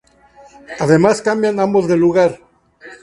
Además cambian ambos de lugar.